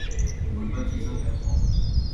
On me baptisa Bertrand.